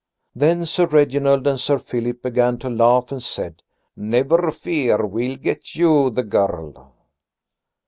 Then Sir Reginald and Sir Philip began to laugh and said: "Never fear, we'll get you the girl."